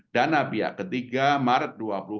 dana pihak ketiga maret dua ribu dua puluh